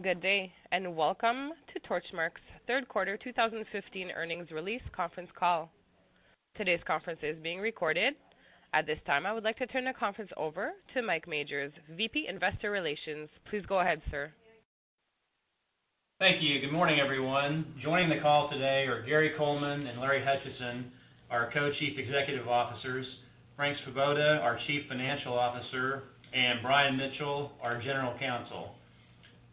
Good day, and welcome to Torchmark's third quarter 2015 earnings release conference call. Today's conference is being recorded. At this time, I would like to turn the conference over to Mike Majors, VP Investor Relations. Please go ahead, sir. Thank you. Good morning, everyone. Joining the call today are Gary Coleman and Larry Hutchison, our Co-Chief Executive Officers, Frank Svoboda, our Chief Financial Officer, and Brian Mitchell, our General Counsel.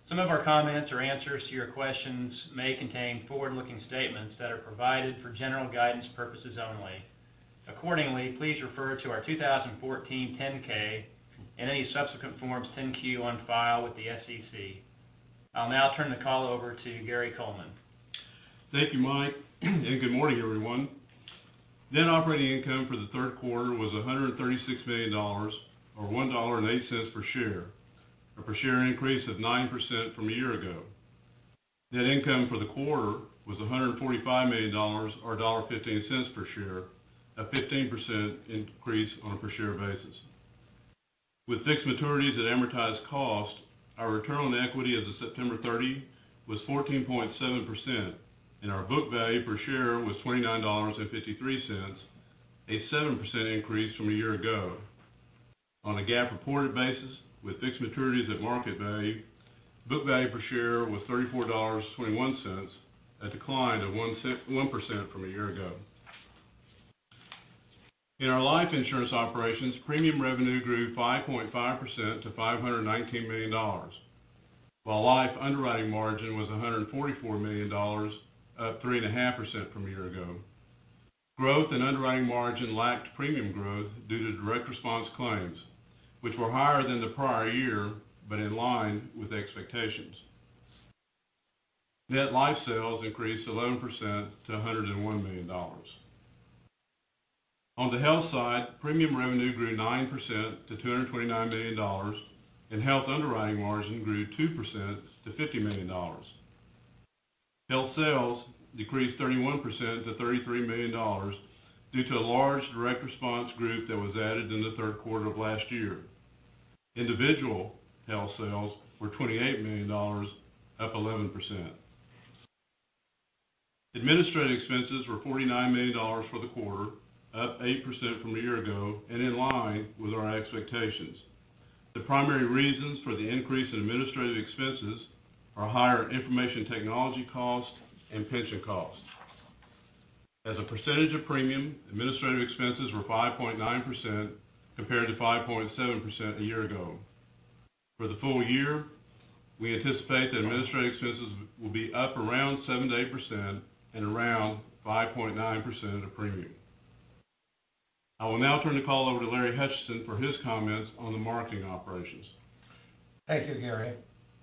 Some of our comments or answers to your questions may contain forward-looking statements that are provided for general guidance purposes only. Accordingly, please refer to our 2014 10-K and any subsequent Forms 10-Q on file with the SEC. I'll now turn the call over to Gary Coleman. Thank you, Mike, and good morning, everyone. Net operating income for the third quarter was $136 million, or $1.08 per share, a per share increase of 9% from a year ago. Net income for the quarter was $145 million, or $1.15 per share, a 15% increase on a per share basis. With fixed maturities at amortized cost, our return on equity as of September 30 was 14.7%, and our book value per share was $29.53, a 7% increase from a year ago. On a GAAP reported basis with fixed maturities at market value, book value per share was $34.21, a decline of 1% from a year ago. In our life insurance operations, premium revenue grew 5.5% to $519 million, while life underwriting margin was $144 million, up 3.5% from a year ago. Growth in underwriting margin lacked premium growth due to direct response claims, which were higher than the prior year, but in line with expectations. Net life sales increased 11% to $101 million. On the health side, premium revenue grew 9% to $229 million, and health underwriting margin grew 2% to $50 million. Health sales decreased 31% to $33 million due to a large direct response group that was added in the third quarter of last year. Individual health sales were $28 million, up 11%. Administrative expenses were $49 million for the quarter, up 8% from a year ago and in line with our expectations. The primary reasons for the increase in administrative expenses are higher information technology costs and pension costs. As a percentage of premium, administrative expenses were 5.9% compared to 5.7% a year ago. For the full year, we anticipate that administrative expenses will be up around 7%-8% and around 5.9% of premium. I will now turn the call over to Larry Hutchison for his comments on the marketing operations. Thank you, Gary.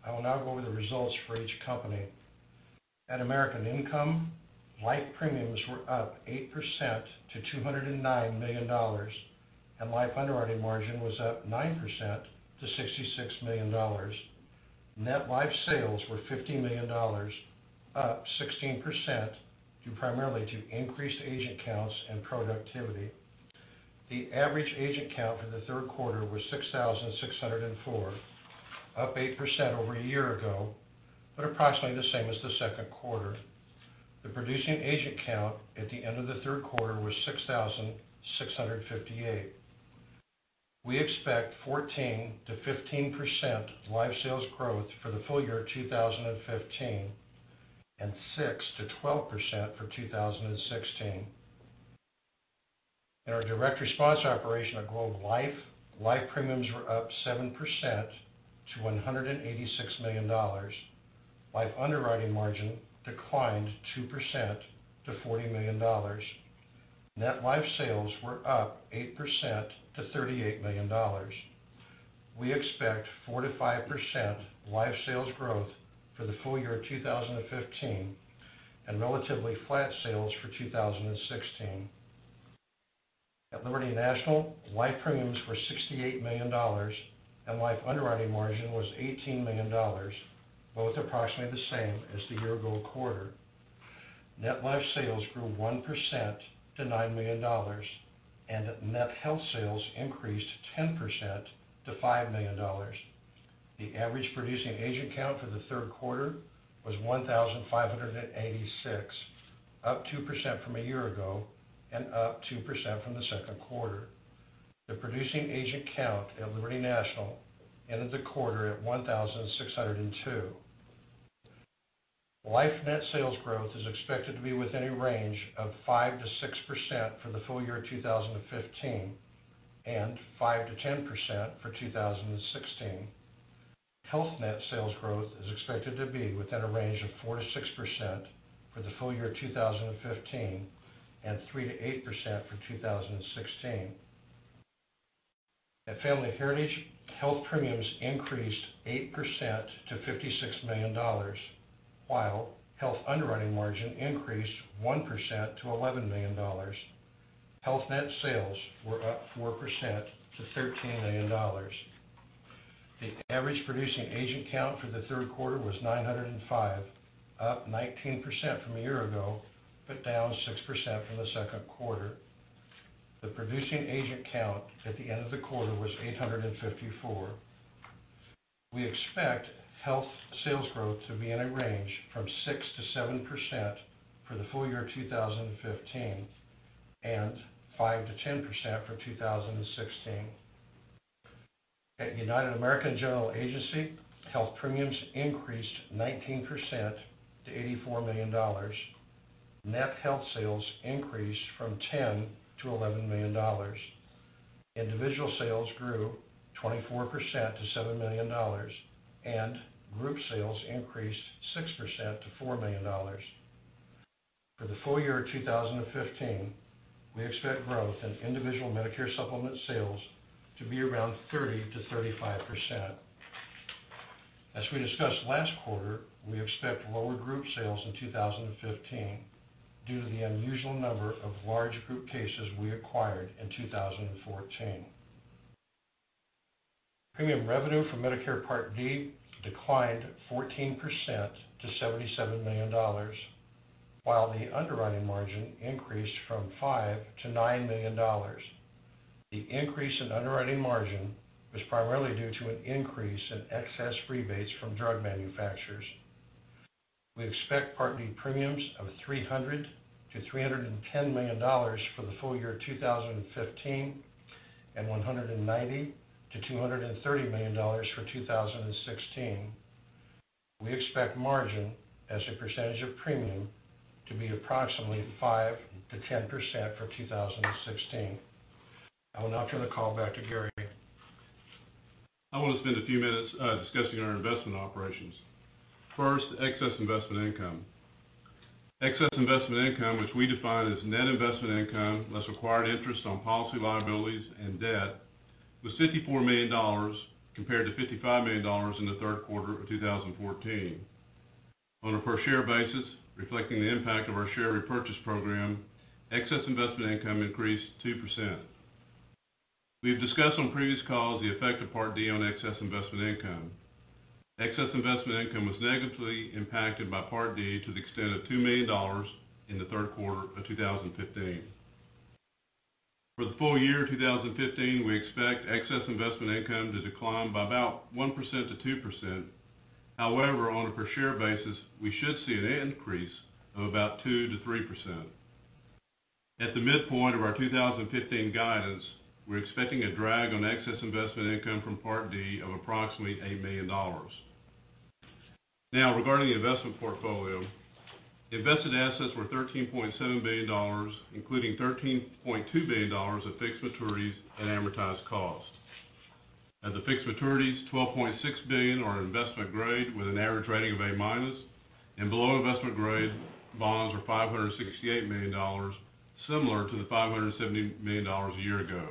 I will now go over the results for each company. At American Income, life premiums were up 8% to $209 million, and life underwriting margin was up 9% to $66 million. Net life sales were $50 million, up 16%, due primarily to increased agent counts and productivity. The average agent count in the third quarter was 6,604, up 8% over a year ago, but approximately the same as the second quarter. The producing agent count at the end of the third quarter was 6,658. We expect 14%-15% life sales growth for the full year 2015 and 6%-12% for 2016. In our direct response operation at Globe Life, life premiums were up 7% to $186 million. Life underwriting margin declined 2% to $40 million. Net life sales were up 8% to $38 million. We expect 4%-5% life sales growth for the full year 2015 and relatively flat sales for 2016. At Liberty National, life premiums were $68 million, and life underwriting margin was $18 million, both approximately the same as the year-ago quarter. Net life sales grew 1% to $9 million, and net health sales increased 10% to $5 million. The average producing agent count for the third quarter was 1,586, up 2% from a year ago and up 2% from the second quarter. The producing agent count at Liberty National ended the quarter at 1,602. Life net sales growth is expected to be within a range of 5%-6% for the full year 2015 and 5%-10% for 2016. Health net sales growth is expected to be within a range of 4%-6% for the full year 2015 and 3%-8% for 2016. At Family Heritage, health premiums increased 8% to $56 million, while health underwriting margin increased 1% to $11 million. Health net sales were up 4% to $13 million. The average producing agent count for the third quarter was 905, up 19% from a year ago, but down 6% from the second quarter. The producing agent count at the end of the quarter was 854. We expect health sales growth to be in a range from 6%-7% for the full year 2015 and 5%-10% for 2016. At United American General Agency, health premiums increased 19% to $84 million. Net health sales increased from $10 million to $11 million. Individual sales grew 24% to $7 million, and group sales increased 6% to $4 million. For the full year 2015, we expect growth in individual Medicare supplement sales to be around 30%-35%. As we discussed last quarter, we expect lower group sales in 2015 due to the unusual number of large group cases we acquired in 2014. Premium revenue for Medicare Part D declined 14% to $77 million, while the underwriting margin increased from $5 million-$9 million. The increase in underwriting margin was primarily due to an increase in excess rebates from drug manufacturers. We expect Part D premiums of $300 million-$310 million for the full year 2015 and $190 million-$230 million for 2016. We expect margin as a percentage of premium to be approximately 5%-10% for 2016. I will now turn the call back to Gary. I want to spend a few minutes discussing our investment operations. First, excess investment income. Excess investment income, which we define as net investment income, less required interest on policy liabilities and debt, was $54 million compared to $55 million in the third quarter of 2014. On a per share basis, reflecting the impact of our share repurchase program, excess investment income increased 2%. We have discussed on previous calls the effect of Part D on excess investment income. Excess investment income was negatively impacted by Part D to the extent of $2 million in the third quarter of 2015. For the full year 2015, we expect excess investment income to decline by about 1%-2%. However, on a per share basis, we should see an increase of about 2%-3%. At the midpoint of our 2015 guidance, we're expecting a drag on excess investment income from Part D of approximately $8 million. Now, regarding the investment portfolio, invested assets were $13.7 billion, including $13.2 billion of fixed maturities at amortized cost. At the fixed maturities, $12.6 billion are investment grade with an average rating of A minus, and below investment-grade bonds are $568 million, similar to the $570 million a year ago.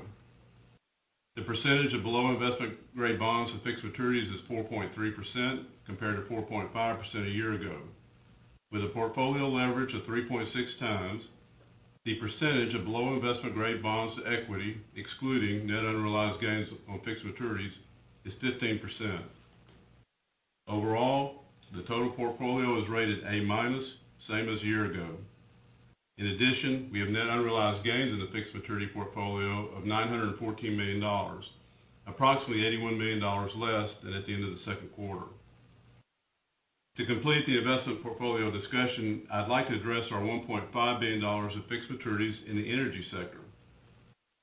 The percentage of below investment-grade bonds to fixed maturities is 4.3%, compared to 4.5% a year ago. With a portfolio leverage of 3.6 times, the percentage of below investment-grade bonds to equity, excluding net unrealized gains on fixed maturities, is 15%. Overall, the total portfolio is rated A minus, same as a year ago. In addition, we have net unrealized gains in the fixed maturity portfolio of $914 million, approximately $81 million less than at the end of the second quarter. To complete the investment portfolio discussion, I'd like to address our $1.5 billion of fixed maturities in the energy sector.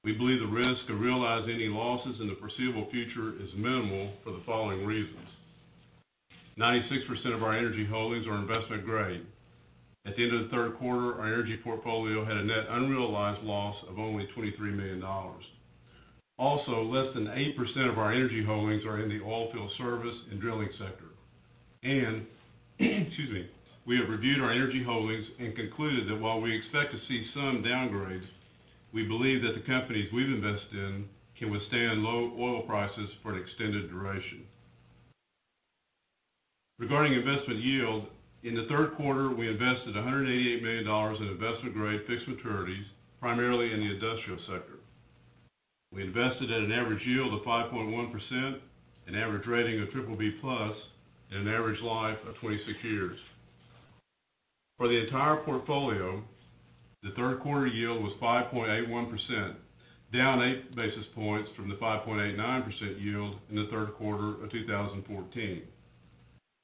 We believe the risk of realizing any losses in the foreseeable future is minimal for the following reasons. 96% of our energy holdings are investment grade. At the end of the third quarter, our energy portfolio had a net unrealized loss of only $23 million. Also, less than 8% of our energy holdings are in the oilfield service and drilling sector. We have reviewed our energy holdings and concluded that while we expect to see some downgrades, we believe that the companies we've invested in can withstand low oil prices for an extended duration. Regarding investment yield, in the third quarter, we invested $188 million in investment-grade fixed maturities, primarily in the industrial sector. We invested at an average yield of 5.1%, an average rating of BBB+, and an average life of 26 years. For the entire portfolio, the third quarter yield was 5.81%, down eight basis points from the 5.89% yield in the third quarter of 2014.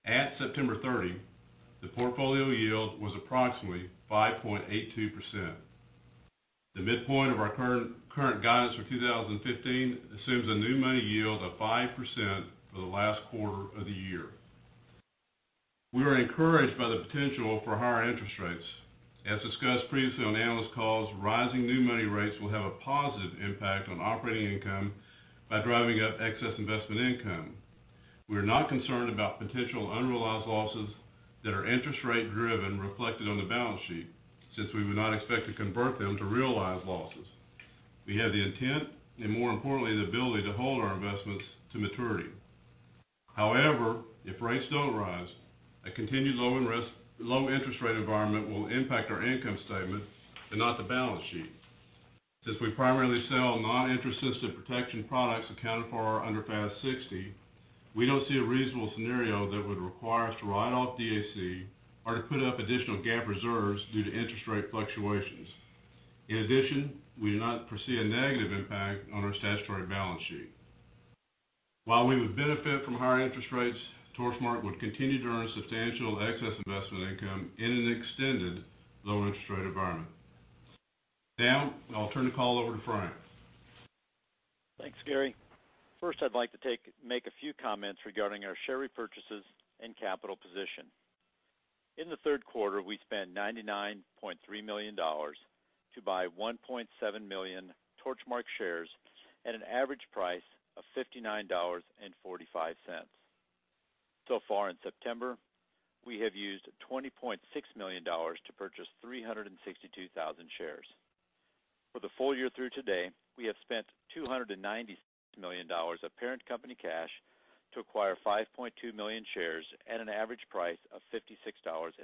At September 30, the portfolio yield was approximately 5.82%. The midpoint of our current guidance for 2015 assumes a new money yield of 5% for the last quarter of the year. We are encouraged by the potential for higher interest rates. As discussed previously on analyst calls, rising new money rates will have a positive impact on operating income by driving up excess investment income. We are not concerned about potential unrealized losses that are interest rate driven reflected on the balance sheet, since we would not expect to convert them to realized losses. We have the intent and, more importantly, the ability to hold our investments to maturity. However, if rates don't rise, a continued low interest rate environment will impact our income statement and not the balance sheet. Since we primarily sell non-interest sensitive protection products accounted for under FAS 60. We don't see a reasonable scenario that would require us to write off DAC or to put up additional GAAP reserves due to interest rate fluctuations. In addition, we do not foresee a negative impact on our statutory balance sheet. While we would benefit from higher interest rates, Torchmark would continue to earn substantial excess investment income in an extended lower interest rate environment. Now, I'll turn the call over to Frank. Thanks, Gary. First, I'd like to make a few comments regarding our share repurchases and capital position. In the third quarter, we spent $99.3 million to buy 1.7 million Torchmark shares at an average price of $59.45. So far in September, we have used $20.6 million to purchase 362,000 shares. For the full year through today, we have spent $296 million of parent company cash to acquire 5.2 million shares at an average price of $56.52.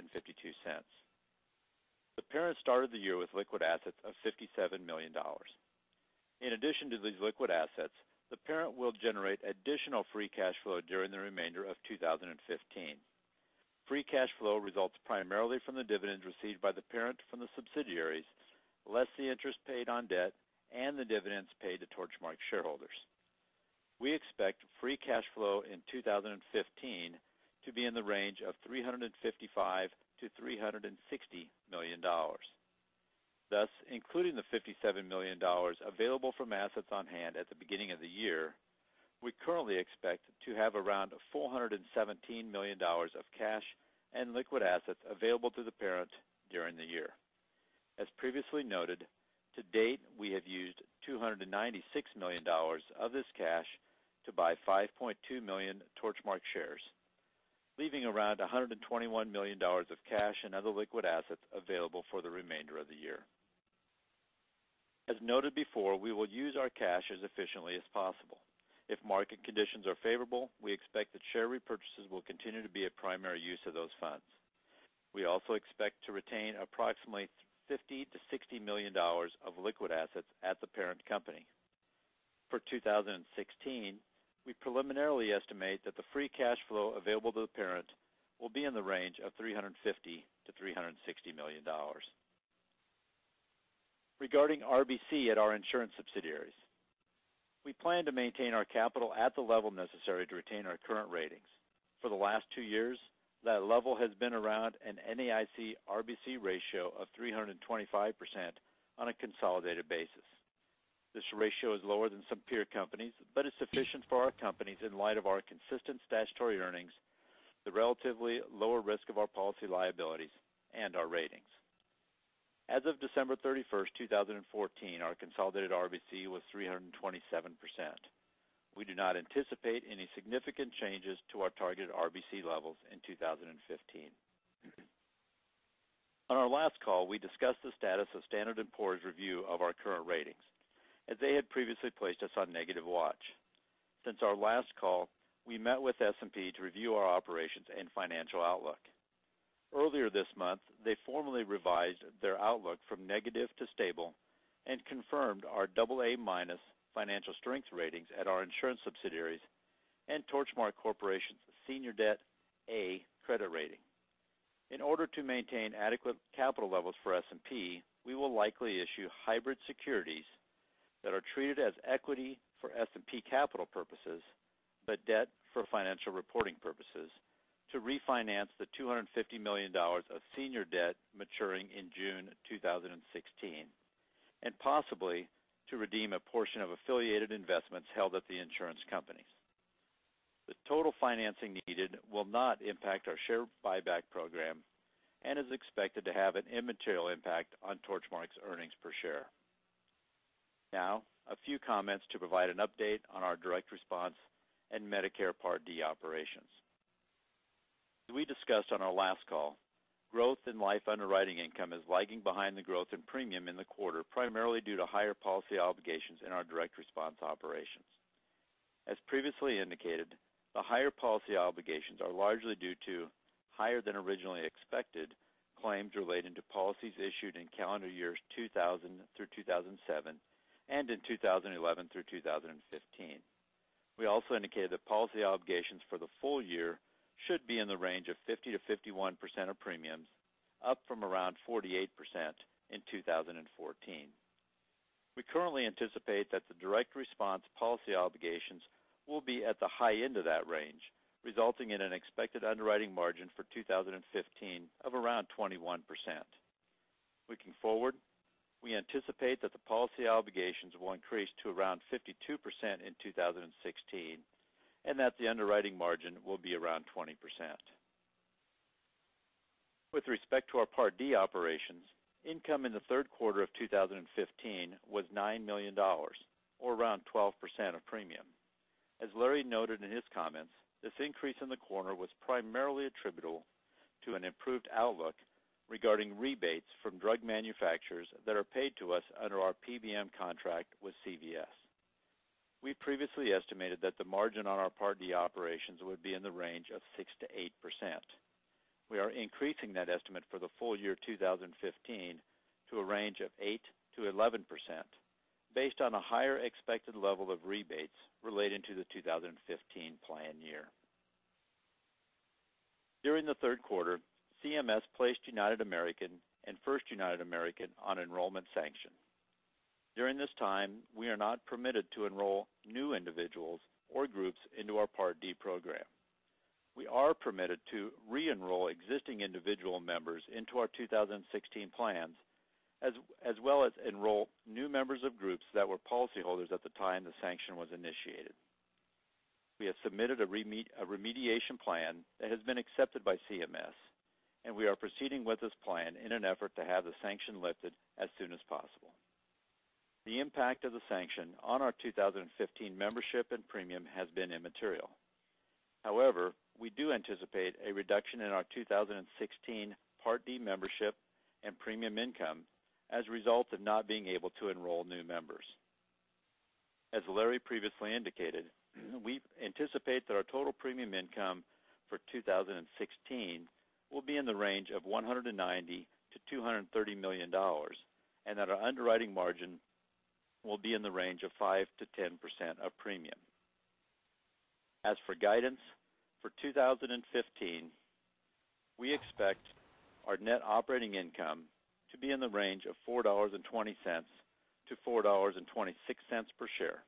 The parent started the year with liquid assets of $57 million. In addition to these liquid assets, the parent will generate additional free cash flow during the remainder of 2015. Free cash flow results primarily from the dividends received by the parent from the subsidiaries, less the interest paid on debt and the dividends paid to Torchmark shareholders. We expect free cash flow in 2015 to be in the range of $355 million-$360 million. Thus, including the $57 million available from assets on hand at the beginning of the year, we currently expect to have around $417 million of cash and liquid assets available to the parent during the year. As previously noted, to date, we have used $296 million of this cash to buy 5.2 million Torchmark shares, leaving around $121 million of cash and other liquid assets available for the remainder of the year. As noted before, we will use our cash as efficiently as possible. If market conditions are favorable, we expect that share repurchases will continue to be a primary use of those funds. We also expect to retain approximately $50 million-$60 million of liquid assets at the parent company. For 2016, we preliminarily estimate that the free cash flow available to the parent will be in the range of $350 million-$360 million. Regarding RBC at our insurance subsidiaries, we plan to maintain our capital at the level necessary to retain our current ratings. For the last two years, that level has been around an NAIC RBC ratio of 325% on a consolidated basis. This ratio is lower than some peer companies, is sufficient for our companies in light of our consistent statutory earnings, the relatively lower risk of our policy liabilities, and our ratings. As of December 31st, 2014, our consolidated RBC was 327%. We do not anticipate any significant changes to our target RBC levels in 2015. On our last call, we discussed the status of Standard & Poor's review of our current ratings, as they had previously placed us on negative watch. Since our last call, we met with S&P to review our operations and financial outlook. Earlier this month, they formally revised their outlook from negative to stable and confirmed our AA- financial strength ratings at our insurance subsidiaries and Torchmark Corporation's senior debt A credit rating. In order to maintain adequate capital levels for S&P, we will likely issue hybrid securities that are treated as equity for S&P capital purposes, but debt for financial reporting purposes to refinance the $250 million of senior debt maturing in June 2016, and possibly to redeem a portion of affiliated investments held at the insurance companies. The total financing needed will not impact our share buyback program and is expected to have an immaterial impact on Torchmark's earnings per share. A few comments to provide an update on our direct response and Medicare Part D operations. As we discussed on our last call, growth in life underwriting income is lagging behind the growth in premium in the quarter, primarily due to higher policy obligations in our direct response operations. As previously indicated, the higher policy obligations are largely due to higher than originally expected claims relating to policies issued in calendar years 2000 through 2007 and in 2011 through 2015. We also indicated that policy obligations for the full year should be in the range of 50%-51% of premiums, up from around 48% in 2014. We currently anticipate that the direct response policy obligations will be at the high end of that range, resulting in an expected underwriting margin for 2015 of around 21%. Looking forward, we anticipate that the policy obligations will increase to around 52% in 2016 and that the underwriting margin will be around 20%. With respect to our Part D operations, income in the third quarter of 2015 was $9 million, or around 12% of premium. As Larry noted in his comments, this increase in the quarter was primarily attributable to an improved outlook regarding rebates from drug manufacturers that are paid to us under our PBM contract with CVS. We previously estimated that the margin on our Part D operations would be in the range of 6%-8%. We are increasing that estimate for the full year 2015 to a range of 8%-11%, based on a higher expected level of rebates relating to the 2015 plan year. During the third quarter, CMS placed United American and First United American on enrollment sanction. During this time, we are not permitted to enroll new individuals or groups into our Part D program. We are permitted to re-enroll existing individual members into our 2016 plans, as well as enroll new members of groups that were policyholders at the time the sanction was initiated. We have submitted a remediation plan that has been accepted by CMS. We are proceeding with this plan in an effort to have the sanction lifted as soon as possible. The impact of the sanction on our 2015 membership and premium has been immaterial. We do anticipate a reduction in our 2016 Part D membership and premium income as a result of not being able to enroll new members. As Larry previously indicated, we anticipate that our total premium income for 2016 will be in the range of $190 million-$230 million. That our underwriting margin will be in the range of 5%-10% of premium. As for guidance, for 2015, we expect our net operating income to be in the range of $4.20-$4.26 per share,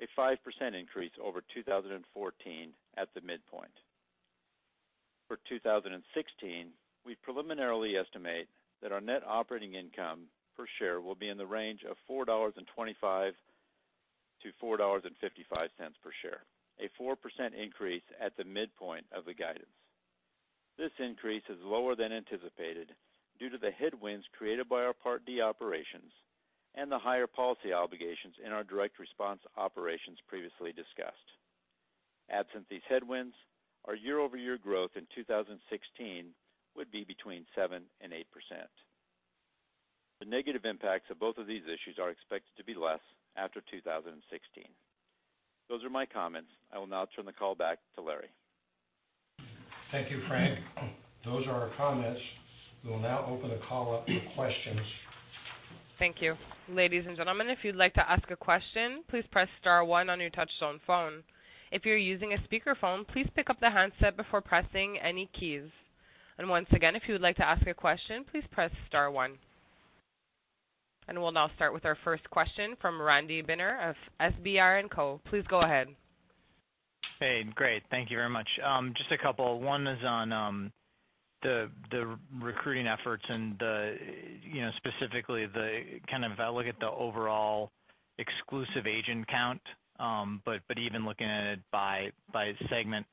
a 5% increase over 2014 at the midpoint. For 2016, we preliminarily estimate that our net operating income per share will be in the range of $4.25-$4.55 per share, a 4% increase at the midpoint of the guidance. This increase is lower than anticipated due to the headwinds created by our Part D operations and the higher policy obligations in our direct response operations previously discussed. Absent these headwinds, our year-over-year growth in 2016 would be between 7% and 8%. The negative impacts of both of these issues are expected to be less after 2016. Those are my comments. I will now turn the call back to Larry. Thank you, Frank. Those are our comments. We will now open the call up to questions. Thank you. Ladies and gentlemen, if you'd like to ask a question, please press *1 on your touchtone phone. If you're using a speakerphone, please pick up the handset before pressing any keys. Once again, if you would like to ask a question, please press *1. We'll now start with our first question from Randy Binner of FBR & Co.. Please go ahead. Hey, great. Thank you very much. Just a couple. One is on the recruiting efforts and specifically, if I look at the overall exclusive agent count, but even looking at it by segment,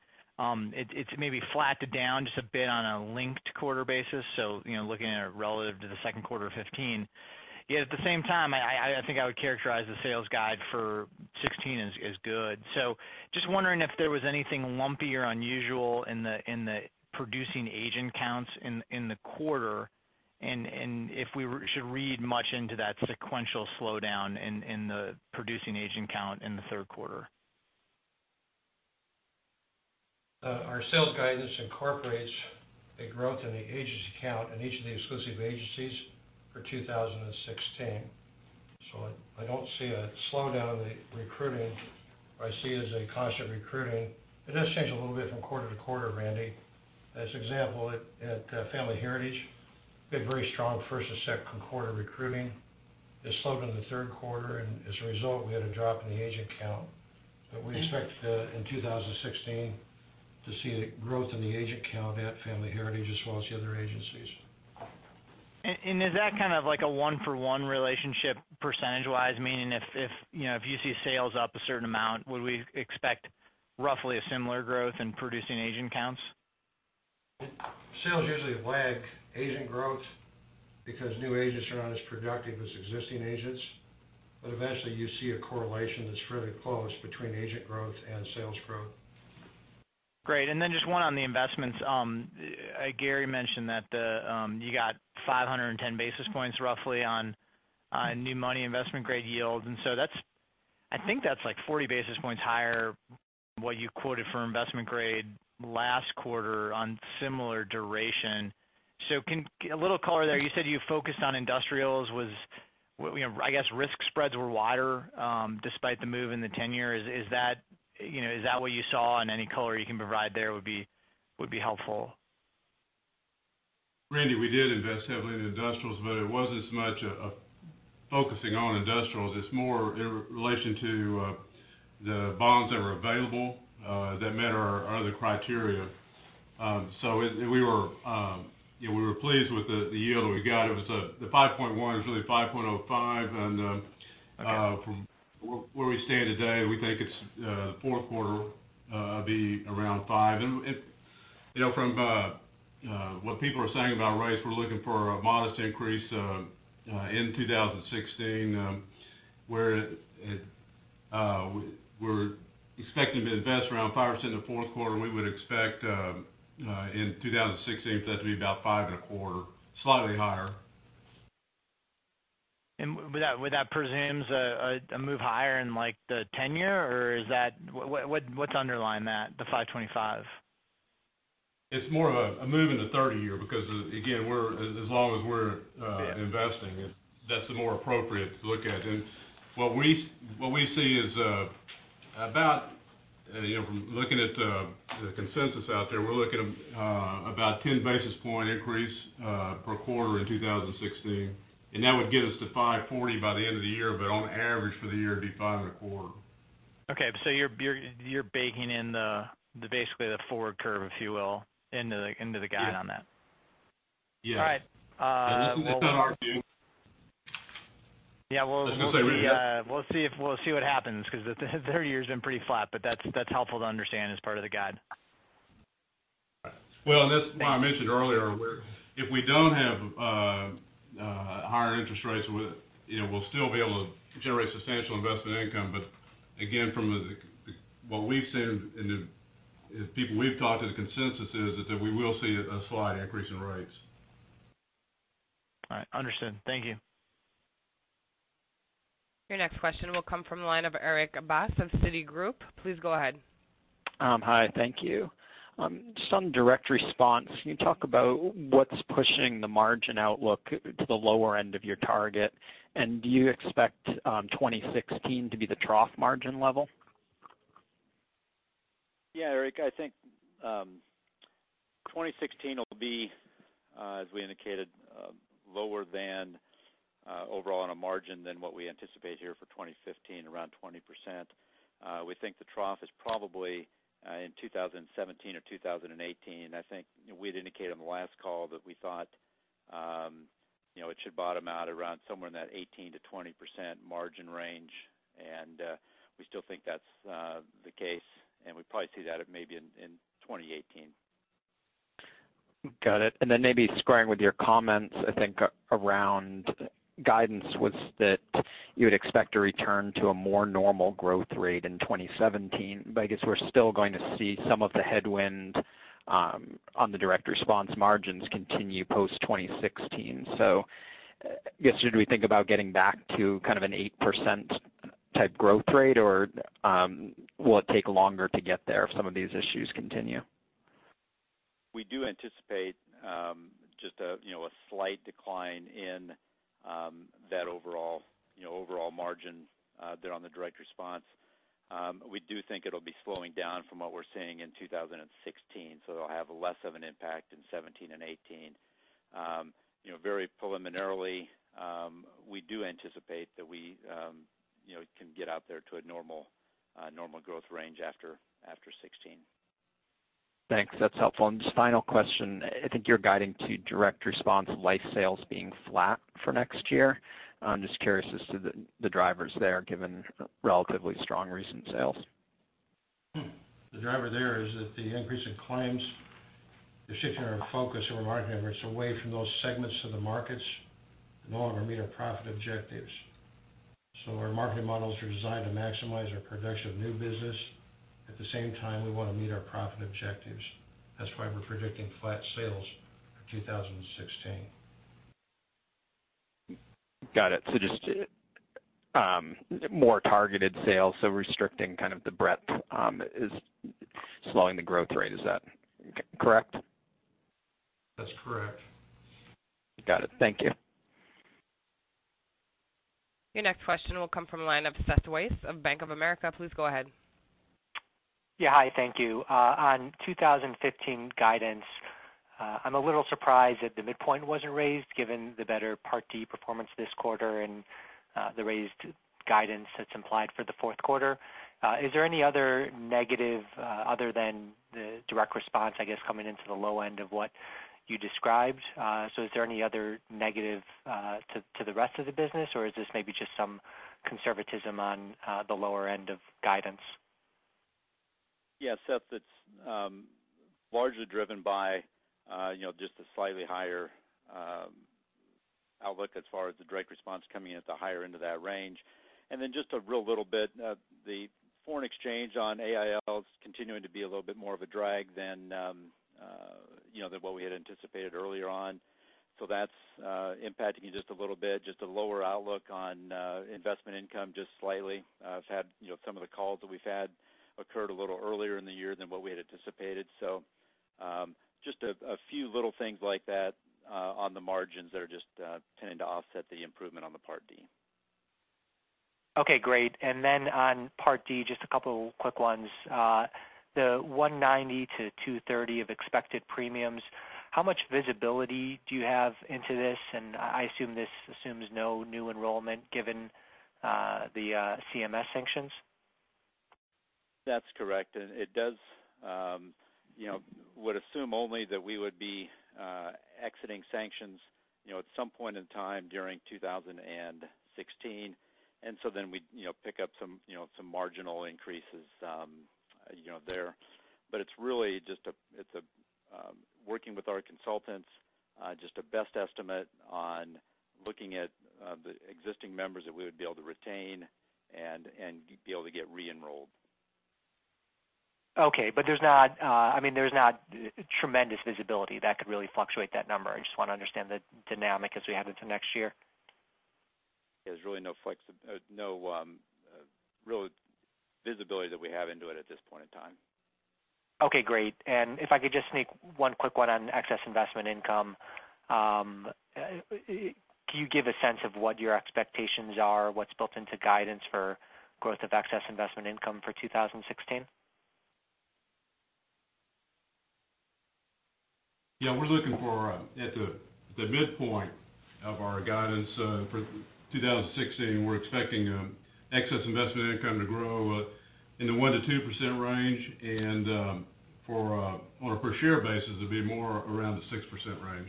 it's maybe flattened down just a bit on a linked quarter basis. Looking at it relative to the second quarter of 2015. At the same time, I think I would characterize the sales guide for 2016 as good. Just wondering if there was anything lumpy or unusual in the producing agent counts in the quarter, and if we should read much into that sequential slowdown in the producing agent count in the third quarter. Our sales guidance incorporates a growth in the agency count in each of the exclusive agencies for 2016. I don't see a slowdown in the recruiting. What I see is a constant recruiting. It does change a little bit from quarter to quarter, Randy. As example, at Family Heritage, we had very strong first and second quarter recruiting. It slowed in the third quarter, and as a result, we had a drop in the agent count. We expect in 2016 to see a growth in the agent count at Family Heritage as well as the other agencies. Is that kind of like a one-for-one relationship percentage wise, meaning if you see sales up a certain amount, would we expect roughly a similar growth in producing agent counts? Sales usually lag agent growth because new agents are not as productive as existing agents. Eventually you see a correlation that's fairly close between agent growth and sales growth. Great. Then just one on the investments. Gary mentioned that you got 510 basis points roughly on new money investment grade yields. I think that's like 40 basis points higher what you quoted for investment grade last quarter on similar duration. A little color there. You said you focused on industrials was, I guess risk spreads were wider, despite the move in the ten-years. Is that what you saw? Any color you can provide there would be helpful. Randy, we did invest heavily in industrials, it wasn't as much a focusing on industrials. It's more in relation to the bonds that were available that met our other criteria. We were pleased with the yield that we got. The 5.1 is really 5.05, and from where we stand today, we think the fourth quarter will be around five. From what people are saying about rates, we're looking for a modest increase in 2016, where we're expecting to invest around 5% in the fourth quarter. We would expect in 2016 for that to be about five and a quarter, slightly higher. Would that presumes a move higher in the ten-year? Or what's underlying that, the 525? It's more of a move in the 30-year because, again, as long as we're investing, that's the more appropriate to look at. What we see is, from looking at the consensus out there, we're looking at about 10 basis point increase per quarter in 2016. That would get us to 540 by the end of the year, but on average for the year, it'd be five and a quarter. Okay. You're baking in basically the forward curve, if you will, into the guide on that. Yes. All right. This is just our view. Yeah. We'll see what happens because the 30-year's been pretty flat, but that's helpful to understand as part of the guide. That's why I mentioned earlier, if we don't have higher interest rates, we'll still be able to generate substantial investment income. Again, from what we've seen and the people we've talked to, the consensus is that we will see a slight increase in rates. All right. Understood. Thank you. Your next question will come from the line of Erik Bass of Citigroup. Please go ahead. Hi, thank you. Just on direct response, can you talk about what's pushing the margin outlook to the lower end of your target? Do you expect 2016 to be the trough margin level? Yeah, Erik, I think 2016 will be, as we indicated, lower than overall on a margin than what we anticipate here for 2015, around 20%. We think the trough is probably in 2017 or 2018. I think we had indicated on the last call that we thought it should bottom out around somewhere in that 18%-20% margin range, and we still think that's the case, and we probably see that maybe in 2018. Got it. Maybe squaring with your comments, I think, around guidance was that you would expect a return to a more normal growth rate in 2017. I guess we're still going to see some of the headwinds on the direct response margins continue post-2016. I guess, should we think about getting back to kind of an 8% type growth rate, or will it take longer to get there if some of these issues continue? We do anticipate just a slight decline in that overall margin there on the direct response. It'll be slowing down from what we're seeing in 2016, it'll have less of an impact in 2017 and 2018. Very preliminarily, we do anticipate that we can get out there to a normal growth range after 2016. Thanks. That's helpful. Just final question. I think you're guiding to direct response life sales being flat for next year. I'm just curious as to the drivers there, given relatively strong recent sales. The driver there is that the increase in claims, the shifting our focus and our marketing efforts away from those segments of the markets no longer meet our profit objectives. Our marketing models are designed to maximize our production of new business. At the same time, we want to meet our profit objectives. That's why we're predicting flat sales for 2016. Got it. Just more targeted sales, restricting kind of the breadth is slowing the growth rate. Is that correct? That's correct. Got it. Thank you. Your next question will come from the line of Seth Weiss of Bank of America. Please go ahead. Hi, thank you. On 2015 guidance, I'm a little surprised that the midpoint wasn't raised given the better Part D performance this quarter and the raised guidance that's implied for the fourth quarter. Is there any other negative other than the direct response, I guess, coming into the low end of what you described? Is there any other negative to the rest of the business, or is this maybe just some conservatism on the lower end of guidance? Seth, it's largely driven by just a slightly higher outlook as far as the direct response coming in at the higher end of that range. Just a real little bit, the foreign exchange on AIL is continuing to be a little bit more of a drag than what we had anticipated earlier on. That's impacting it just a little bit, just a lower outlook on investment income just slightly. Some of the calls that we've had occurred a little earlier in the year than what we had anticipated. Just a few little things like that on the margins that are just tending to offset the improvement on the Part D. Okay, great. On Part D, just a couple quick ones. The $190-$230 of expected premiums, how much visibility do you have into this? And I assume this assumes no new enrollment given the CMS sanctions. That's correct. It would assume only that we would be exiting sanctions at some point in time during 2016. We'd pick up some marginal increases there. It's really just working with our consultants, just a best estimate on looking at the existing members that we would be able to retain and be able to get re-enrolled. Okay. There's not tremendous visibility that could really fluctuate that number. I just want to understand the dynamic as we head into next year. There's really no visibility that we have into it at this point in time. Okay, great. If I could just sneak one quick one on excess investment income. Can you give a sense of what your expectations are, what's built into guidance for growth of excess investment income for 2016? Yeah, we're looking for at the midpoint of our guidance for 2016, we're expecting excess investment income to grow in the 1%-2% range and on a per share basis, it'd be more around the 6% range.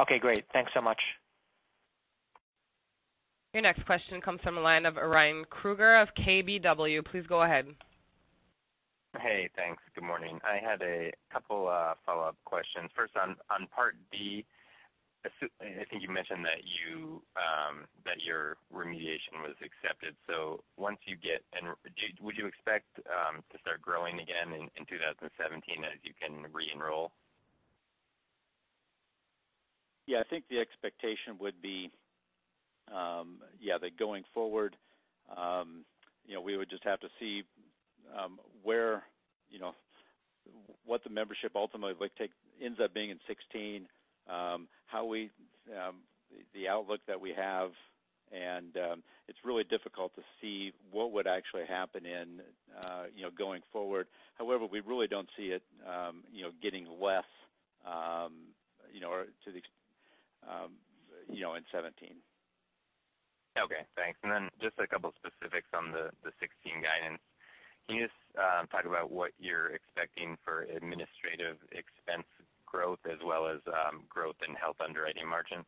Okay, great. Thanks so much. Your next question comes from the line of Ryan Krueger of KBW. Please go ahead. Hey, thanks. Good morning. I had a couple follow-up questions. First on Part D, I think you mentioned that your remediation was accepted. Would you expect to start growing again in 2017 as you can re-enroll? Yeah, I think the expectation would be that going forward, we would just have to see what the membership ultimately ends up being in 2016, the outlook that we have, and it's really difficult to see what would actually happen going forward. However, we really don't see it getting less in 2017. Okay, thanks. Then just a couple specifics on the 2016 guidance. Can you just talk about what you're expecting for administrative expense growth as well as growth in health underwriting margin?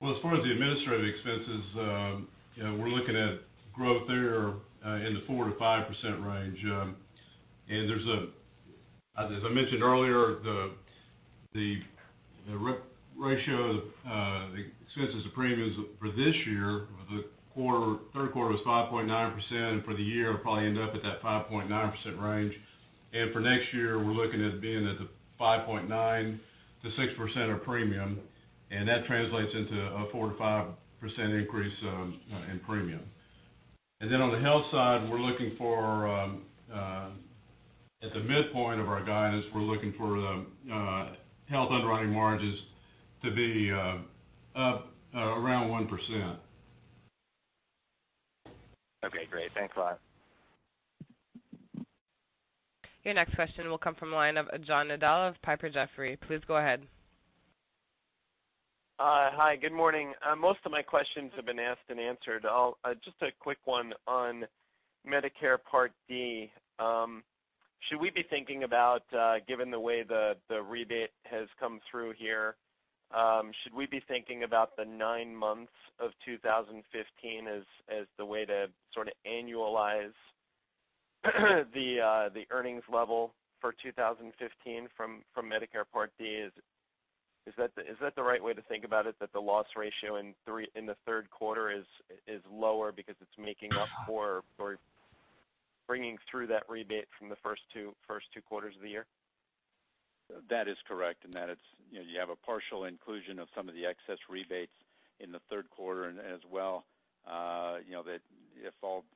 Well, as far as the administrative expenses, we're looking at growth there in the 4%-5% range. As I mentioned earlier, the ratio of the expenses to premiums for this year, the third quarter was 5.9%, and for the year, it'll probably end up at that 5.9% range. Then for next year, we're looking at being at the 5.9%-6% of premium, and that translates into a 4%-5% increase in premium. Then on the health side, at the midpoint of our guidance, we're looking for health underwriting margins to be up around 1%. Okay, great. Thanks a lot. Your next question will come from the line of John Nadel of Piper Jaffray. Please go ahead. Hi, good morning. Most of my questions have been asked and answered. Just a quick one on Medicare Part D. Given the way the rebate has come through here, should we be thinking about the nine months of 2015 as the way to sort of annualize the earnings level for 2015 from Medicare Part D? Is that the right way to think about it, that the loss ratio in the third quarter is lower because it's making up for bringing through that rebate from the first two quarters of the year? That is correct, in that you have a partial inclusion of some of the excess rebates in the third quarter. As well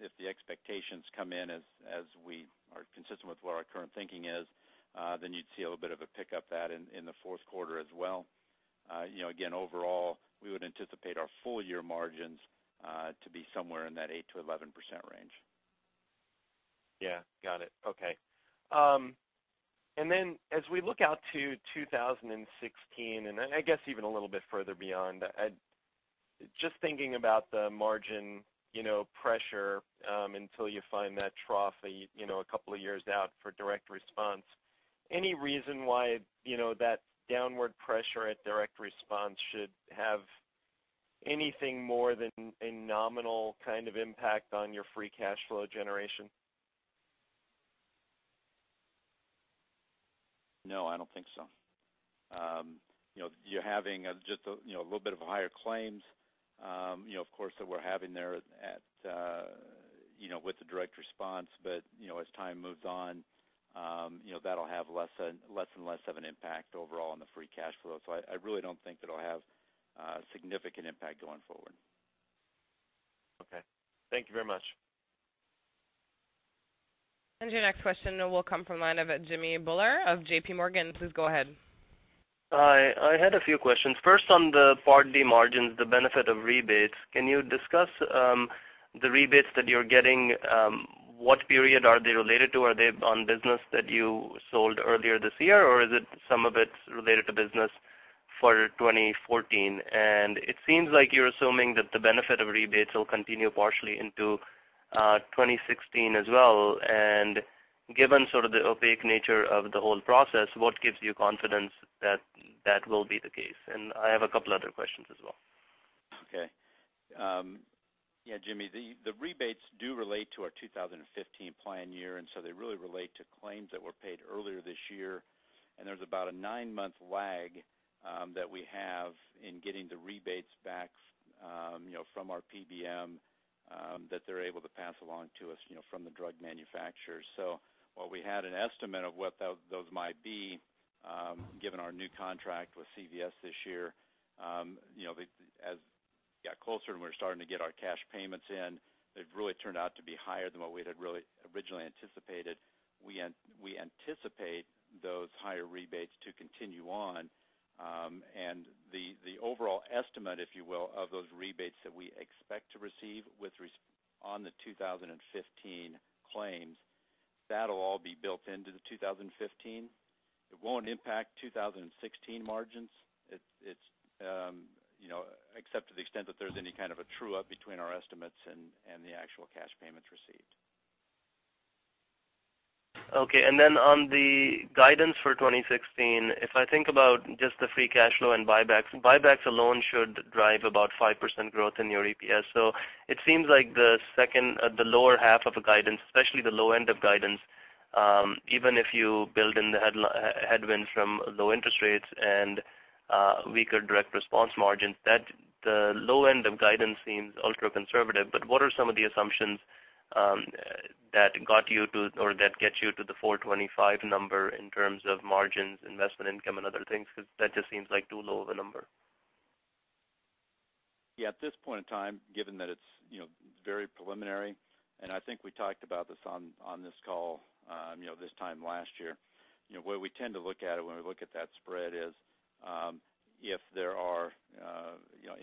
if the expectations come in as we are consistent with what our current thinking is, you'd see a little bit of a pick up that in the fourth quarter as well. Overall, we would anticipate our full-year margins to be somewhere in that 8%-11% range. Yeah. Got it. Okay. Then as we look out to 2016, I guess even a little bit further beyond, just thinking about the margin pressure until you find that trough a couple of years out for direct response, any reason why that downward pressure at direct response should have anything more than a nominal kind of impact on your free cash flow generation? No, I don't think so. You're having just a little bit of a higher claims of course that we're having there with the direct response. As time moves on that'll have less and less of an impact overall on the free cash flow. I really don't think that'll have a significant impact going forward. Okay. Thank you very much. Your next question will come from line of Jimmy Bhullar of J.P. Morgan. Please go ahead. Hi. I had a few questions. First, on the Part D margins, the benefit of rebates, can you discuss the rebates that you're getting? What period are they related to? Are they on business that you sold earlier this year, or is it some of it's related to business for 2014? It seems like you're assuming that the benefit of rebates will continue partially into 2016 as well. Given sort of the opaque nature of the whole process, what gives you confidence that will be the case? I have a couple other questions as well. Okay. Yeah, Jimmy Bhullar, the rebates do relate to our 2015 plan year, they really relate to claims that were paid earlier this year. There's about a nine-month lag that we have in getting the rebates back from our PBM that they're able to pass along to us from the drug manufacturers. While we had an estimate of what those might be given our new contract with CVS this year, as we got closer and we're starting to get our cash payments in, they've really turned out to be higher than what we had really originally anticipated. We anticipate those higher rebates to continue on. The overall estimate, if you will, of those rebates that we expect to receive on the 2015 claims, that'll all be built into the 2015. It won't impact 2016 margins, except to the extent that there's any kind of a true-up between our estimates and the actual cash payments received. Okay. On the guidance for 2016, if I think about just the free cash flow and buybacks alone should drive about 5% growth in your EPS. It seems like the lower half of the guidance, especially the low end of guidance, even if you build in the headwind from low interest rates and weaker direct response margins, that the low end of guidance seems ultra-conservative. What are some of the assumptions that got you to, or that get you to the 425 number in terms of margins, investment income, and other things? Because that just seems like too low of a number. Yeah, at this point in time, given that it's very preliminary, I think we talked about this on this call this time last year. The way we tend to look at it when we look at that spread is, if there are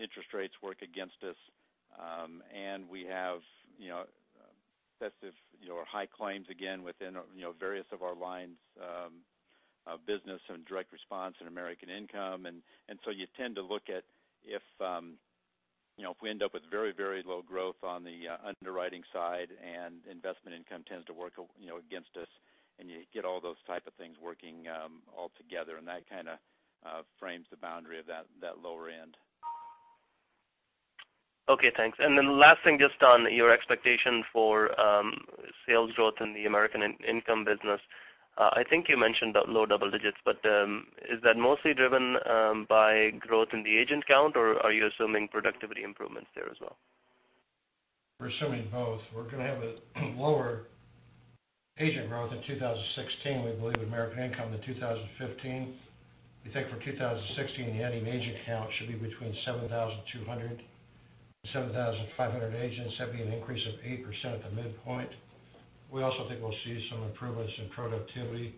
interest rates work against us, we have high claims again within various of our lines of business and direct response and American Income. You tend to look at if we end up with very low growth on the underwriting side and investment income tends to work against us, you get all those type of things working all together, that kind of frames the boundary of that lower end. Okay, thanks. Then last thing, just on your expectation for sales growth in the American Income business. I think you mentioned low double digits, but is that mostly driven by growth in the agent count, or are you assuming productivity improvements there as well? We're assuming both. We're going to have a lower agent growth in 2016, we believe, in American Income than 2015. We think for 2016, the ending agent count should be between 7,200 to 7,500 agents. That'd be an increase of 8% at the midpoint. We also think we'll see some improvements in productivity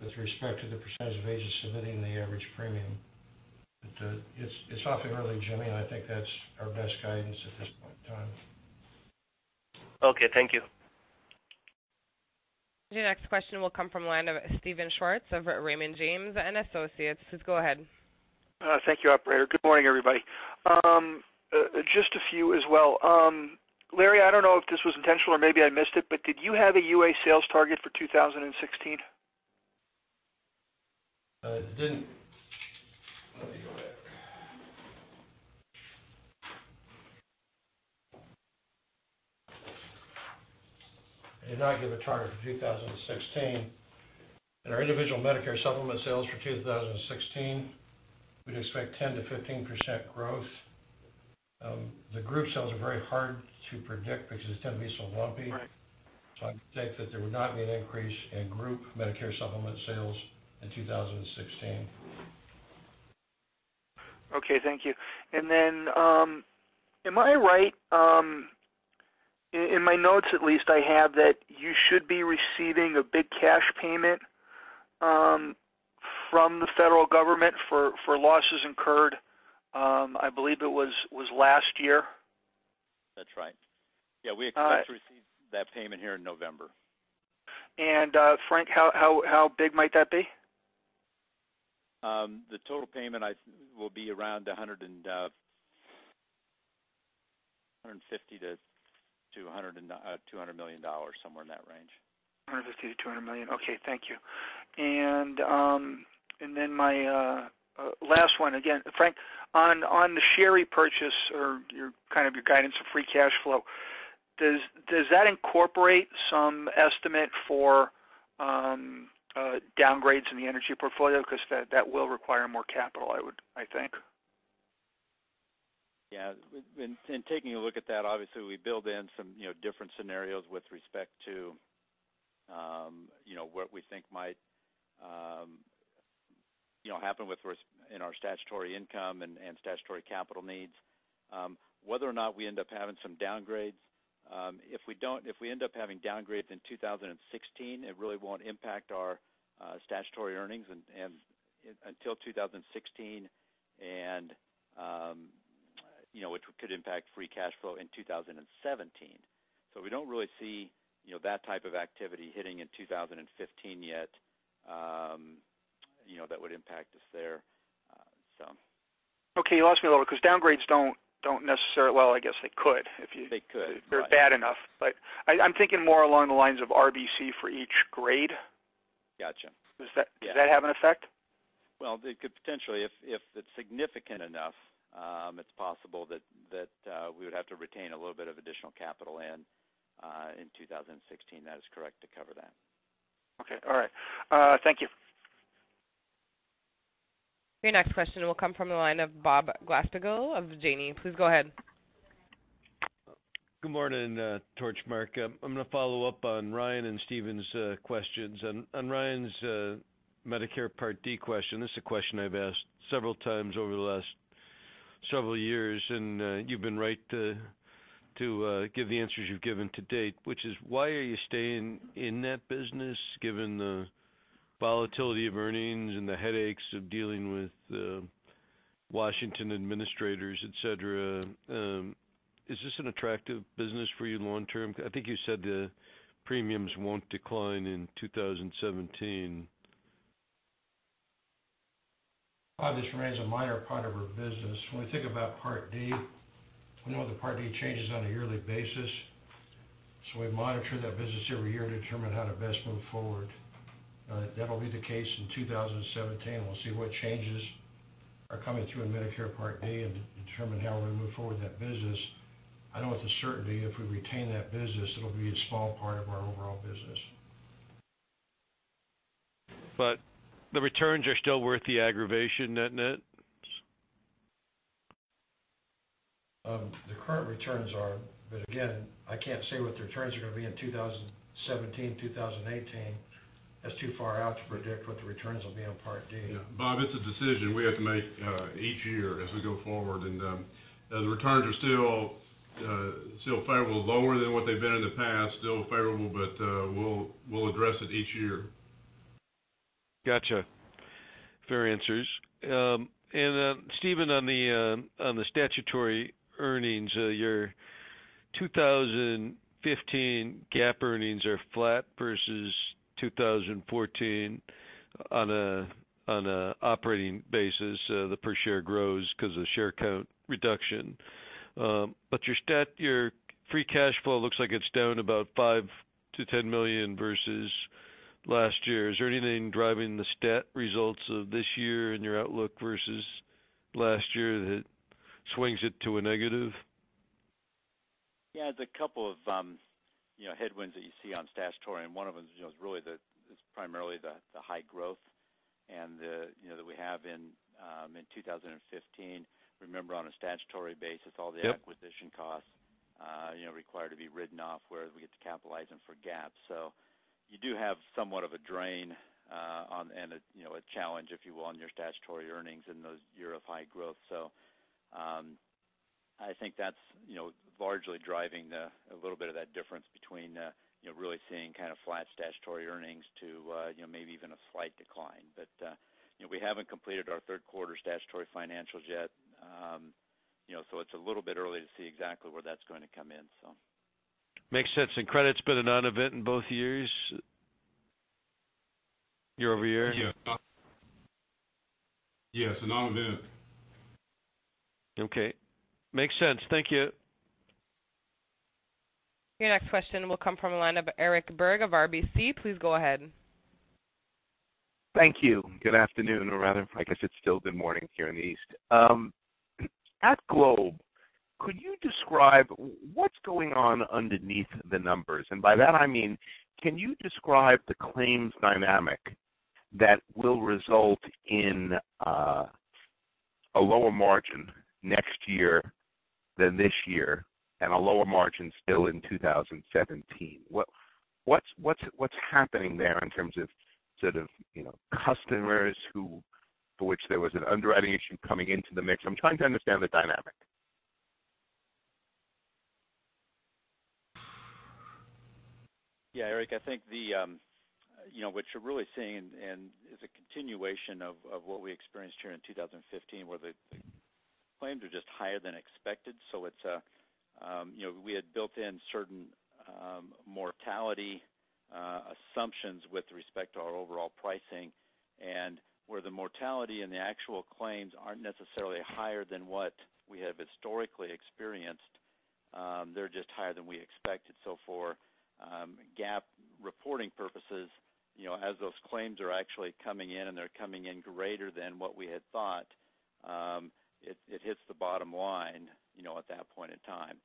with respect to the percentage of agents submitting the average premium. It's off to early, Jimmy, and I think that's our best guidance at this point in time. Okay, thank you. Your next question will come from the line of Steven Schwartz of Raymond James & Associates. Please go ahead. Thank you, operator. Good morning, everybody. Just a few as well. Larry, I don't know if this was intentional or maybe I missed it, but did you have a UA sales target for 2016? I did not give a target for 2016. In our individual Medicare supplement sales for 2016, we'd expect 10%-15% growth. The group sales are very hard to predict because they tend to be so lumpy. Right. I'd say that there would not be an increase in group Medicare supplement sales in 2016. Okay, thank you. Am I right, in my notes at least I have that you should be receiving a big cash payment from the federal government for losses incurred. I believe it was last year. That's right. Yeah, we expect to receive that payment here in November. Frank, how big might that be? The total payment will be around $150 million-$200 million, somewhere in that range. $150 million-$200 million. Okay, thank you. My last one. Again, Frank, on the share repurchase or kind of your guidance of free cash flow, does that incorporate some estimate for downgrades in the energy portfolio? Because that will require more capital, I think. Yeah. In taking a look at that, obviously, we build in some different scenarios with respect to what we think might happen in our statutory income and statutory capital needs. Whether or not we end up having some downgrades, if we end up having downgrades in 2016, it really won't impact our statutory earnings until 2016, and which could impact free cash flow in 2017. We don't really see that type of activity hitting in 2015 yet that would impact us there. Okay. You lost me a little because downgrades don't necessarily, well, I guess they could. They could. If they're bad enough. I'm thinking more along the lines of RBC for each grade. Got you. Does that have an effect? Well, it could potentially, if it's significant enough, it's possible that we would have to retain a little bit of additional capital in 2016. That is correct to cover that. Okay. All right. Thank you. Your next question will come from the line of Bob Glasspiegel of Janney. Please go ahead. Good morning, Torchmark. I'm going to follow up on Ryan and Steven's questions. On Ryan's Medicare Part D question, this is a question I've asked several times over the last several years, and you've been right to give the answers you've given to date, which is, why are you staying in that business given the volatility of earnings and the headaches of dealing with Washington administrators, et cetera? Is this an attractive business for you long term? I think you said the premiums won't decline in 2017. Bob, this remains a minor part of our business. When we think about Part D, we know that Part D changes on a yearly basis. We monitor that business every year to determine how to best move forward. That'll be the case in 2017. We'll see what changes are coming through in Medicare Part D and determine how we move forward that business. I know with a certainty, if we retain that business, it'll be a small part of our overall business. The returns are still worth the aggravation, isn't it? The current returns are. Again, I can't say what the returns are going to be in 2017, 2018. That's too far out to predict what the returns will be on Part D. Yeah. Bob, it's a decision we have to make each year as we go forward. The returns are still favorable, lower than what they've been in the past. Still favorable. We'll address it each year. Got you. Fair answers. Steven, on the statutory earnings, your 2015 GAAP earnings are flat versus 2014 on an operating basis. The per share grows because of share count reduction. Your free cash flow looks like it's down about $5 million-$10 million versus last year. Is there anything driving the stat results of this year and your outlook versus last year that swings it to a negative? Yeah, there's a couple of headwinds that you see on statutory. One of them is really primarily the high growth that we have in 2015. Remember, on a statutory basis, all the acquisition costs require to be written off, whereas we get to capitalize them for GAAP. You do have somewhat of a drain and a challenge, if you will, on your statutory earnings in those year of high growth. I think that's largely driving a little bit of that difference between really seeing kind of flat statutory earnings to maybe even a slight decline. We haven't completed our third quarter statutory financials yet. It's a little bit early to see exactly where that's going to come in. Makes sense. Credit's been a non-event in both years, year-over-year? Yeah. It's a non-event. Okay. Makes sense. Thank you. Your next question will come from the line of Eric Berg of RBC. Please go ahead. Thank you. Good afternoon, or rather, I guess it's still good morning here in the East. At Globe, could you describe what's going on underneath the numbers? By that I mean, can you describe the claims dynamic that will result in a lower margin next year than this year and a lower margin still in 2017? What's happening there in terms of sort of customers for which there was an underwriting issue coming into the mix? I'm trying to understand the dynamic. Yeah, Eric, I think what you're really seeing, is a continuation of what we experienced here in 2015, where the claims are just higher than expected. We had built in certain mortality assumptions with respect to our overall pricing and where the mortality and the actual claims aren't necessarily higher than what we have historically experienced. They're just higher than we expected. For GAAP reporting purposes, as those claims are actually coming in and they're coming in greater than what we had thought, it hits the bottom line at that point in time.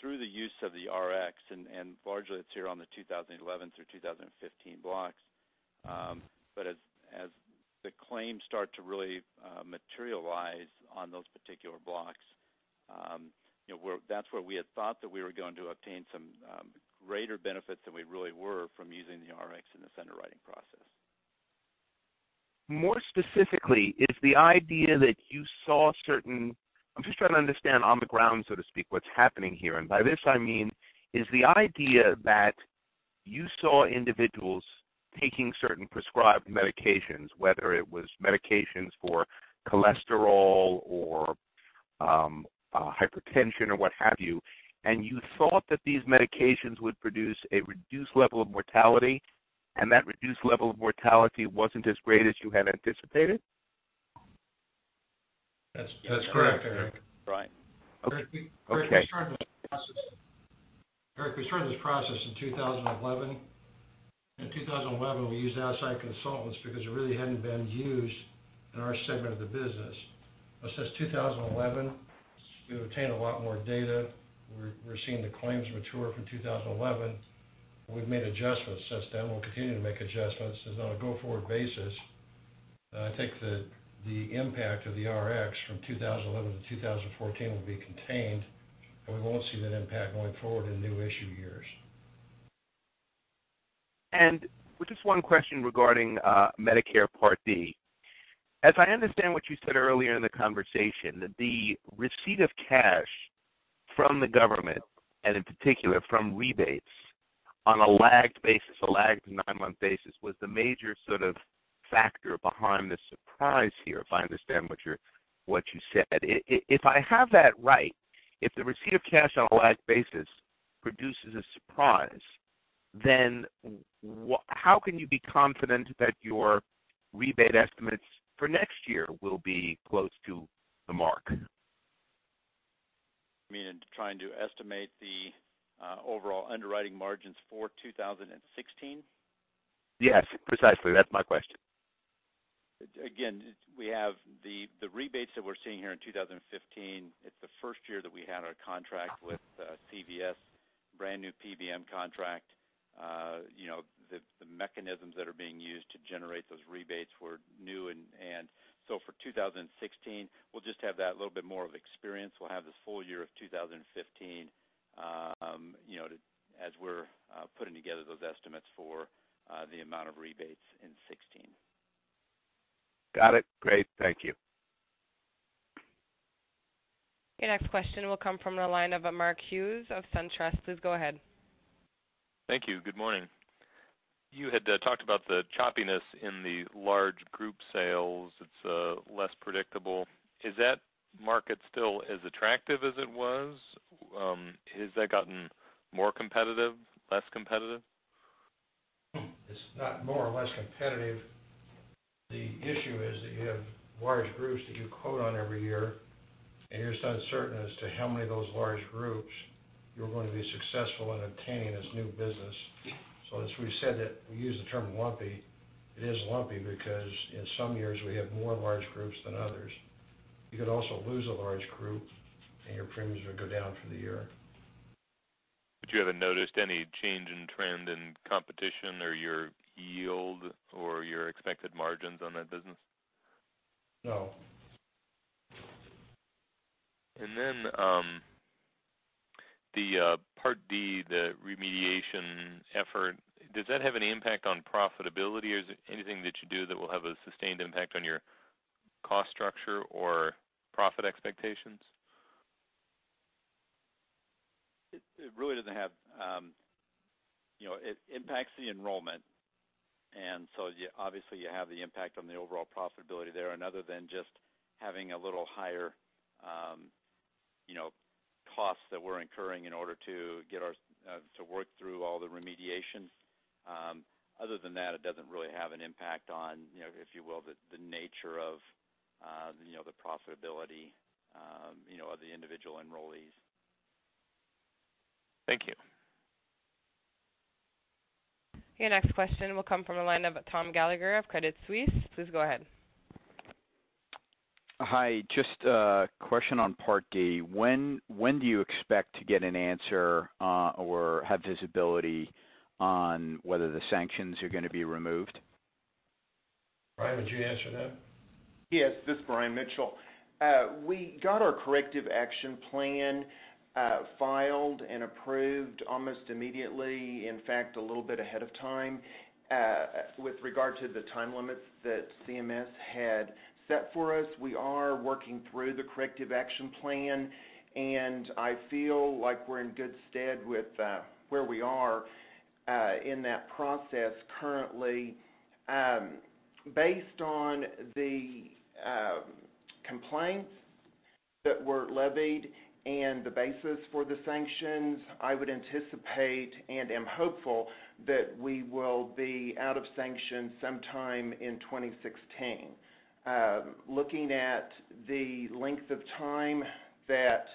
Through the use of the Rx, largely it's here on the 2011 through 2015 blocks, as the claims start to really materialize on those particular blocks, that's where we had thought that we were going to obtain some greater benefits than we really were from using the Rx in the underwriting process. More specifically, is the idea that you saw. I'm just trying to understand on the ground, so to speak, what's happening here. By this, I mean, is the idea that you saw individuals taking certain prescribed medications, whether it was medications for cholesterol or hypertension or what have you, and you thought that these medications would produce a reduced level of mortality, and that reduced level of mortality wasn't as great as you had anticipated? That's correct, Eric. Right. Okay. Eric, we started this process in 2011. In 2011, we used outside consultants because it really hadn't been used in our segment of the business. Since 2011, we've obtained a lot more data. We're seeing the claims mature from 2011, and we've made adjustments since then. We'll continue to make adjustments as on a go-forward basis. I think the impact of the Rx from 2011 to 2014 will be contained, and we won't see that impact going forward in new issue years. Just one question regarding Medicare Part D. As I understand what you said earlier in the conversation, that the receipt of cash from the government, and in particular from rebates on a lagged basis, a lagged nine-month basis, was the major sort of factor behind the surprise here, if I understand what you said. If I have that right, if the receipt of cash on a lagged basis produces a surprise, then how can you be confident that your rebate estimates for next year will be close to the mark? You mean in trying to estimate the overall underwriting margins for 2016? Yes, precisely. That's my question. We have the rebates that we're seeing here in 2015. It's the first year that we had our contract with CVS, brand new PBM contract. The mechanisms that are being used to generate those rebates were new. For 2016, we'll just have that a little bit more of experience. We'll have this full year of 2015, as we're putting together those estimates for the amount of rebates in 2016. Got it. Great. Thank you. Your next question will come from the line of Mark Hughes of SunTrust. Please go ahead. Thank you. Good morning. You had talked about the choppiness in the large group sales. It's less predictable. Is that market still as attractive as it was? Has that gotten more competitive, less competitive? It's not more or less competitive. The issue is that you have large groups that you quote on every year, and there's uncertainty as to how many of those large groups you're going to be successful in obtaining as new business. As we've said, that we use the term lumpy. It is lumpy because in some years we have more large groups than others. You could also lose a large group, and your premiums would go down for the year. You haven't noticed any change in trend in competition or your yield or your expected margins on that business? No. The Part D, the remediation effort, does that have any impact on profitability? Is it anything that you do that will have a sustained impact on your cost structure or profit expectations? It really impacts the enrollment, and so obviously you have the impact on the overall profitability there. Other than just having a little higher costs that we're incurring in order to work through all the remediation. Other than that, it doesn't really have an impact on, if you will, the nature of the profitability of the individual enrollees. Thank you. Your next question will come from the line of Tom Gallagher of Credit Suisse. Please go ahead. Hi, just a question on Part D. When do you expect to get an answer or have visibility on whether the sanctions are going to be removed? Brian, would you answer that? Yes, this is Brian Mitchell. We got our corrective action plan filed and approved almost immediately, in fact, a little bit ahead of time, with regard to the time limits that CMS had set for us. We are working through the corrective action plan. I feel like we're in good stead with where we are in that process currently. Based on the complaints that were levied and the basis for the sanctions, I would anticipate and am hopeful that we will be out of sanctions sometime in 2016. Looking at the length of time that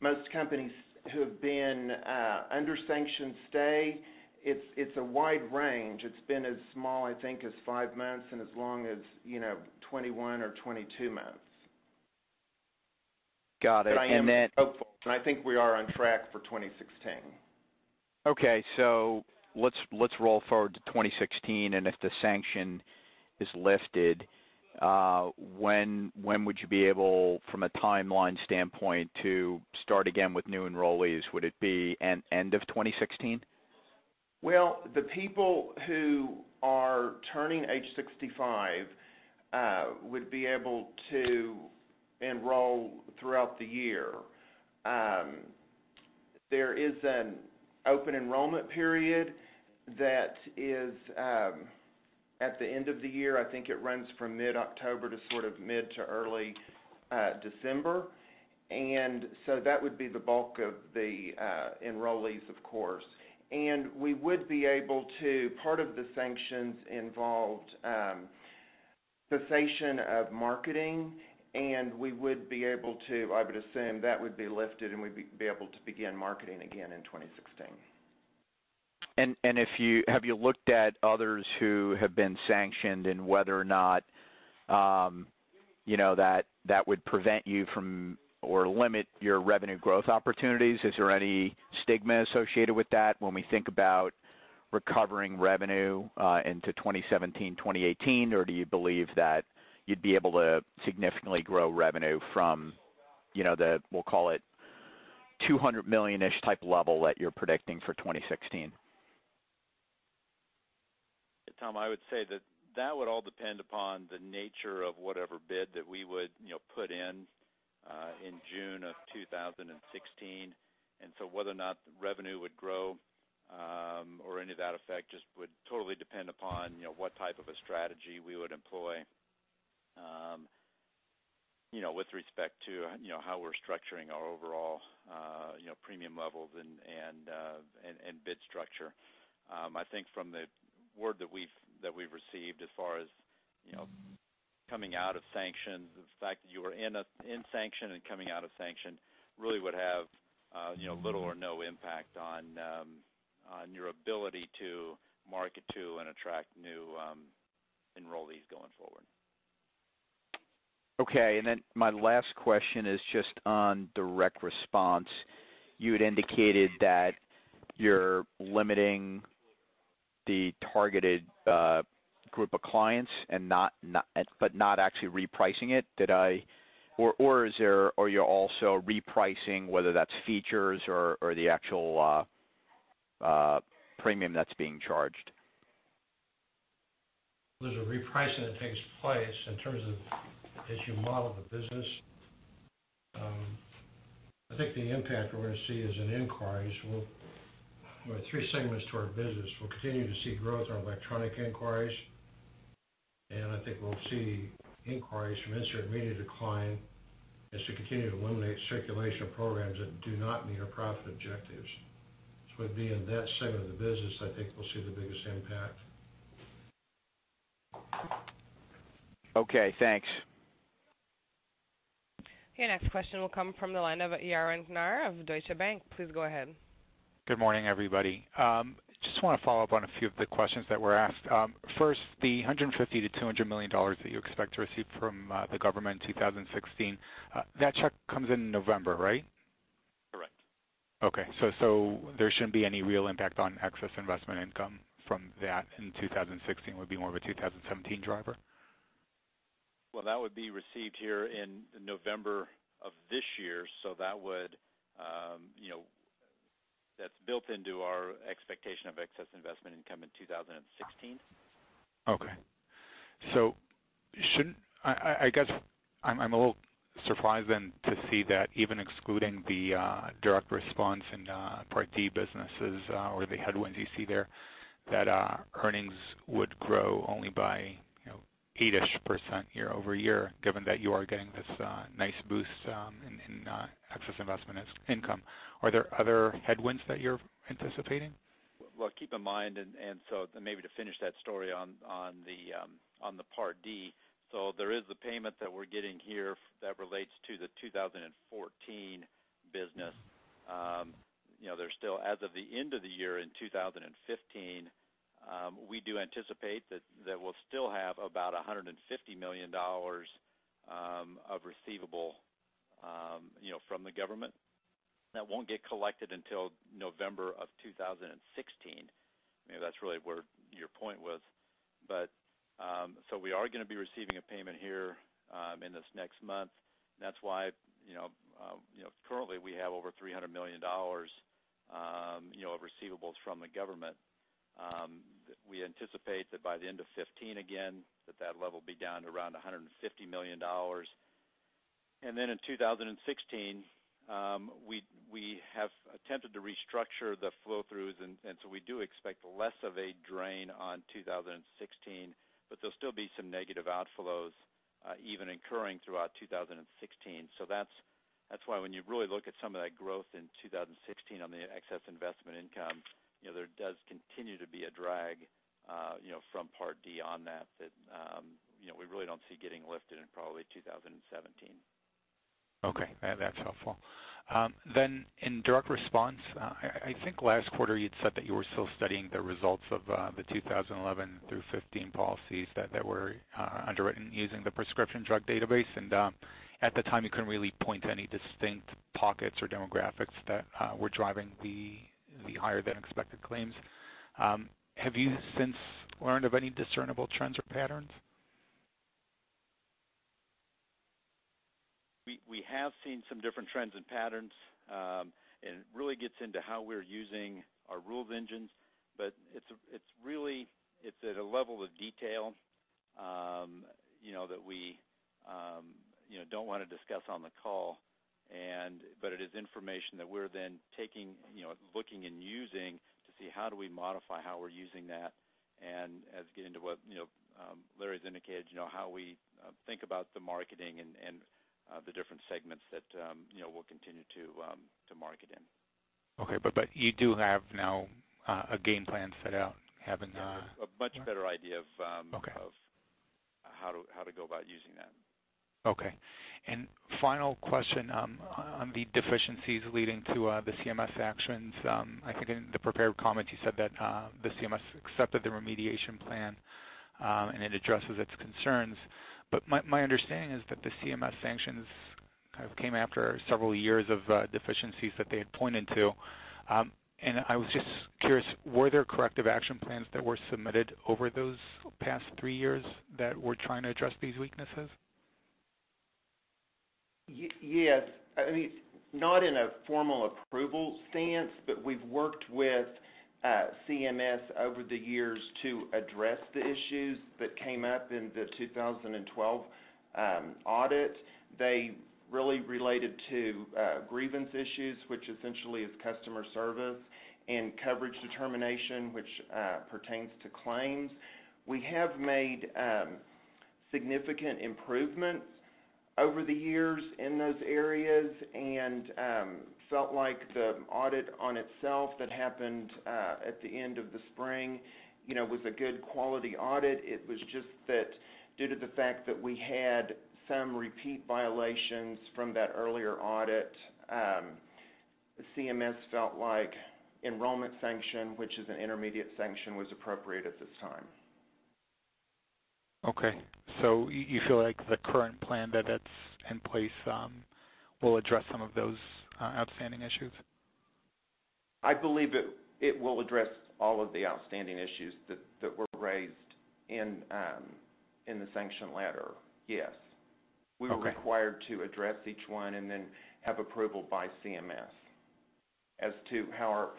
most companies who have been under sanctions stay, it's a wide range. It's been as small, I think, as five months and as long as 21 or 22 months. Got it. I am hopeful, and I think we are on track for 2016. Okay. Let's roll forward to 2016. If the sanction is lifted, when would you be able, from a timeline standpoint, to start again with new enrollees? Would it be end of 2016? Well, the people who are turning age 65 would be able to enroll throughout the year. There is an open enrollment period that is at the end of the year. I think it runs from mid-October to sort of mid to early December. That would be the bulk of the enrollees, of course. Part of the sanctions involved cessation of marketing, and we would be able to, I would assume, that would be lifted, and we'd be able to begin marketing again in 2016. Have you looked at others who have been sanctioned and whether or not that would prevent you from, or limit your revenue growth opportunities? Is there any stigma associated with that when we think about recovering revenue into 2017, 2018? Do you believe that you'd be able to significantly grow revenue from the, we'll call it, $200 million-ish type level that you're predicting for 2016? Tom, I would say that that would all depend upon the nature of whatever bid that we would put in in June of 2016. Whether or not the revenue would grow, or any of that effect, just would totally depend upon what type of a strategy we would employ with respect to how we're structuring our overall premium levels and bid structure. I think from the word that we've received as far as coming out of sanctions, the fact that you were in sanction and coming out of sanction really would have little or no impact on your ability to market to and attract new enrollees going forward. Okay, my last question is just on direct response. You had indicated that you're limiting the targeted group of clients but not actually repricing it. Are you also repricing, whether that's features or the actual premium that's being charged? There's a repricing that takes place in terms of as you model the business. I think the impact we're going to see is in inquiries. With three segments to our business, we'll continue to see growth in our electronic inquiries, and I think we'll see inquiries from insert media decline as we continue to eliminate circulation of programs that do not meet our profit objectives. It'd be in that segment of the business I think we'll see the biggest impact. Okay, thanks. Your next question will come from the line of Yaron Kinar of Deutsche Bank. Please go ahead. Good morning, everybody. Just want to follow up on a few of the questions that were asked. First, the $150 million-$200 million that you expect to receive from the government in 2016, that check comes in November, right? Correct. There shouldn't be any real impact on excess investment income from that in 2016. Would be more of a 2017 driver? Well, that would be received here in November of this year, so that's built into our expectation of excess investment income in 2016. Okay. I guess I'm a little surprised then to see that even excluding the direct response and Part D businesses or the headwinds you see there, that earnings would grow only by 8-ish% year-over-year, given that you are getting this nice boost in excess investment income. Are there other headwinds that you're anticipating? Well, keep in mind, maybe to finish that story on the Part D. There is the payment that we're getting here that relates to the 2014 business. There's still, as of the end of the year in 2015, we do anticipate that we'll still have about $150 million of receivable from the government that won't get collected until November of 2016. Maybe that's really where your point was. We are going to be receiving a payment here in this next month. That's why currently we have over $300 million of receivables from the government. We anticipate that by the end of 2015, again, that level will be down to around $150 million. In 2016, we have attempted to restructure the flow-throughs, we do expect less of a drain on 2016, but there'll still be some negative outflows even incurring throughout 2016. That's why when you really look at some of that growth in 2016 on the excess investment income, there does continue to be a drag from Part D on that we really don't see getting lifted in probably 2017. Okay. That's helpful. In direct response, I think last quarter you'd said that you were still studying the results of the 2011 through 2015 policies that were underwritten using the prescription drug database. At the time, you couldn't really point to any distinct pockets or demographics that were driving the higher-than-expected claims. Have you since learned of any discernible trends or patterns? We have seen some different trends and patterns, it really gets into how we're using our rules engines. It's at a level of detail that we don't want to discuss on the call. It is information that we're then taking, looking and using to see how do we modify how we're using that, as we get into what Larry's indicated, how we think about the marketing and the different segments that we'll continue to market in. Okay, you do have now a game plan set out having. A much better idea. Okay how to go about using that. Okay. Final question on the deficiencies leading to the CMS actions. I think in the prepared comments, you said that the CMS accepted the remediation plan, it addresses its concerns. My understanding is that the CMS sanctions came after several years of deficiencies that they had pointed to. I was just curious, were there corrective action plans that were submitted over those past three years that were trying to address these weaknesses? Yes. Not in a formal approval stance, we've worked with CMS over the years to address the issues that came up in the 2012 audit. They really related to grievance issues, which essentially is customer service, coverage determination, which pertains to claims. We have made significant improvements over the years in those areas felt like the audit on itself that happened at the end of the spring was a good quality audit. It was just that due to the fact that we had some repeat violations from that earlier audit, CMS felt like enrollment sanction, which is an intermediate sanction, was appropriate at this time. Okay, you feel like the current plan that's in place will address some of those outstanding issues? I believe it will address all of the outstanding issues that were raised in the sanction letter, yes. Okay. We were required to address each one and then have approval by CMS as to how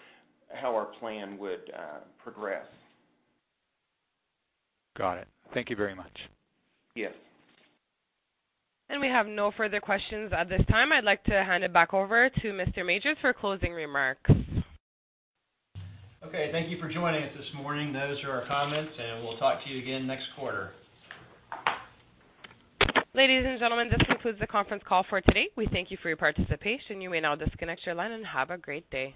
our plan would progress. Got it. Thank you very much. Yes. We have no further questions at this time. I'd like to hand it back over to Mr. Majors for closing remarks. Okay. Thank you for joining us this morning. Those are our comments, and we'll talk to you again next quarter. Ladies and gentlemen, this concludes the conference call for today. We thank you for your participation. You may now disconnect your line, and have a great day.